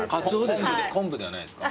昆布ではないですか？